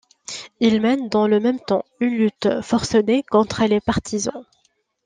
Il mène dans le même temps une lutte forcenée contre les partisans.